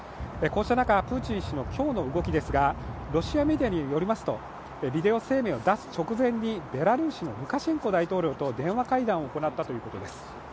こうした中、プーチン氏の今日の動きですが、ロシアメディアによりますとビデオ声明を出す直前にベラルーシのルカシェンコ大統領と電話会談を行ったということです。